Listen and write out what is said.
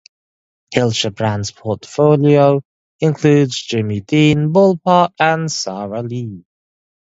Hillshire Brands' portfolio includes Jimmy Dean, Ball Park, and Sara Lee.